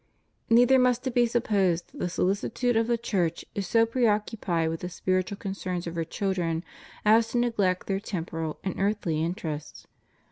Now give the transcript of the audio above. Neither must it be supposed that the solicitude of the Church is so preoccupied with the spiritual concerns of her children as to neglect their temporal and earthly interests.